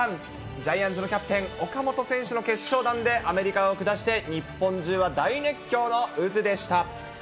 ジャイアンツのキャプテン、岡本選手の決勝弾でアメリカを下して日本中は大熱狂の渦でした。